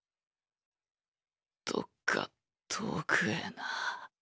どっか遠くへなぁ。